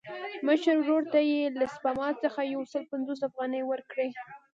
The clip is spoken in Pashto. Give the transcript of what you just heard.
مشر ورور ته یې له سپما څخه یو سل پنځوس افغانۍ ورکړې.